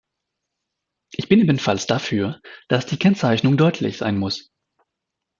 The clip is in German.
Ich bin ebenfalls dafür, dass die Kennzeichnung deutlich sein muss.